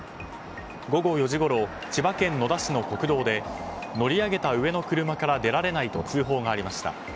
午後４時ごろ千葉県野田市の国道で乗り上げた上の車から出られないと通報がありました。